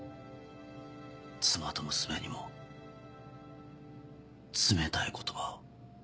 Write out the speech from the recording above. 妻と娘にも冷たい言葉を。